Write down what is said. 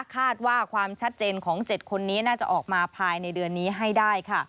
คาดว่าความชัดเจนของ๗คนนี้น่าจะออกมาภายในเดือนนี้ให้ได้